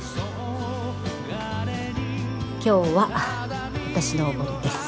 今日は私のおごりです。